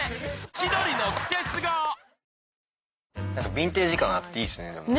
ビンテージ感あっていいっすねでも。